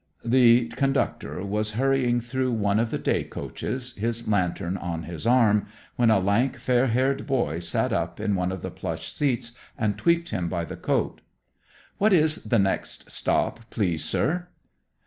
The conductor was hurrying through one of the day coaches, his lantern on his arm, when a lank, fair haired boy sat up in one of the plush seats and tweaked him by the coat. "What is the next stop, please, sir?"